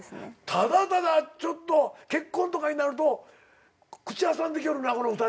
ただただ結婚とかになると口挟んできよるなこの２人。